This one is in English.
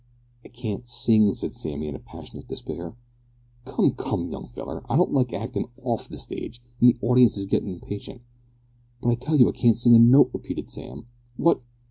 "I can't sing," said Sammy, in passionate despair. "Come, come, young feller, I don't like actin' off the stage, an' the audience is gittin' impatient." "But I tell you I can't sing a note," repeated Sam. "What!